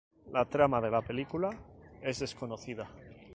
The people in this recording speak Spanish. La trama de la película, es desconocida.